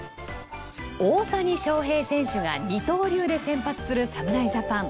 大谷翔平選手が二刀流で先発する侍ジャパン。